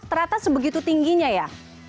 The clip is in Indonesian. ternyata sebegitu tingginya ya